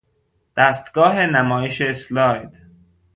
دستگاه نمایش اسلاید